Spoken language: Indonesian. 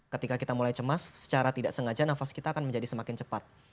ketika kita mulai cemas secara tidak sengaja nafas kita akan menjadi semakin cepat